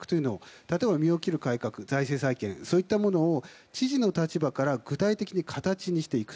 例えば身を切る改革、財政再建そういったものを知事の立場から具体的に形にしていく。